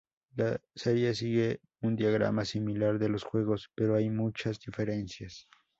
La serie sigue un diagrama similar de los juegos, pero hay muchas diferencias.